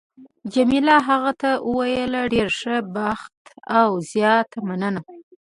جميله هغه ته وویل: ډېر ښه بخت او زیاته مننه.